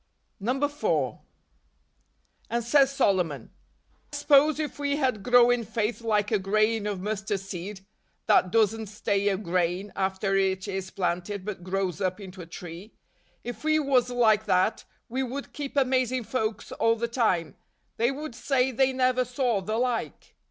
135 136 DECEMBER. 4. " And says Solomon, '1 s'pose if we had growin' faith like a grain of mustard seed — that doesn't stay a grain, after it is planted, but grows up into a tree — if we was like that, we would keep amazing folks all the time; they would say they never saw the like!